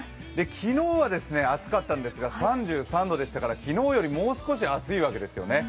昨日は暑かったんですが、３３度でしたから昨日よりもう少し暑いわけですよね。